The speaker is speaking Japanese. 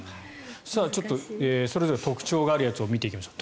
ちょっとそれぞれ特徴があるやつを見ていきます。